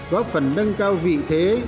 góp phần nâng cao vị thế